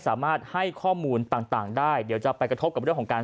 สามารถให้ข้อมูลต่างได้เดี๋ยวจะไปกระทบกับเรื่องของการ